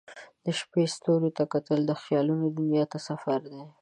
د شپې ستوریو ته کتل د خیالونو دنیا ته سفر دی.